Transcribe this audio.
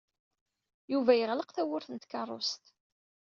Yuba yeɣleq tawwurt n tkeṛṛust.